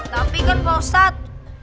tapi kan pak ustad